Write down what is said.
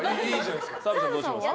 澤部さんはどうします？